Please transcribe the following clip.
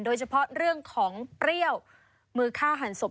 โดยเฉพาะเรื่องของเปรี้ยวมือฆ่าหันศพ